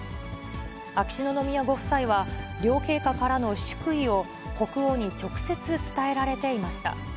秋篠宮ご夫妻は両陛下からの祝意を国王に直接、伝えられていました。